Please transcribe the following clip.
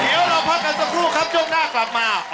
เดี๋ยวเราพักกันสักครู่ครับช่วงหน้ากลับมา